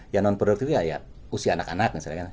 yang non produktif itu ya usia anak anak misalnya